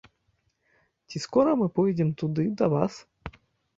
Ці скора мы пойдзем туды, да вас?